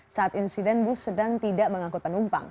saat insiden bus sedang tidak mengangkut penumpang